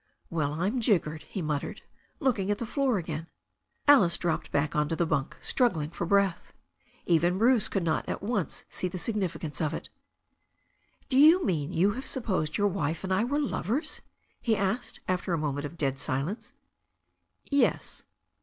"Well, I'm jiggered!" he muttered, looking at the floor again. Alice dropped back on to the bunk, struggling for breath. Even Bruce could not at once get the significance of it. "Do you mean you have supposed your wife and I were lovers?" he asked, after a moment of dead silence. "Yes."